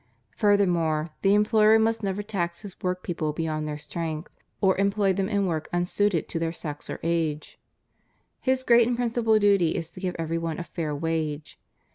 Furthermore, the employer must never tax his work people beyond their strength, or employ them in work unsuited to their sex or age. His great and principal duty is to give every one a fair wage.